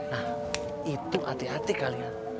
nah itu hati hati kalian